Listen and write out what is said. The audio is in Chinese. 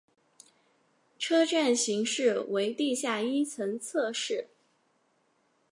车站型式为地下一层侧式。